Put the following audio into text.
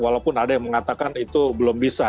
walaupun ada yang mengatakan itu belum bisa